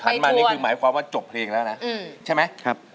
มานี่คือหมายความว่าจบเพลงแล้วนะใช่ไหม